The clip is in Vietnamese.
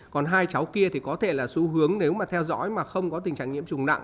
còn hai cháu kia thì có thể là xu hướng nếu mà theo dõi mà không có tình trạng nhiễm trùng nặng